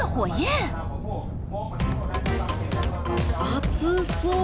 熱そう。